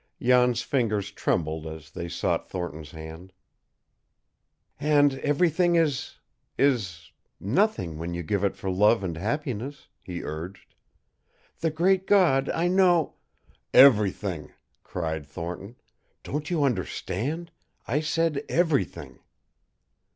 Jan's fingers trembled as they sought Thornton's hand. "And everything is is nothing when you give it for love and happiness," he urged. "The great God, I know " "Everything," cried Thornton. "Don't you understand? I said EVERYTHING!"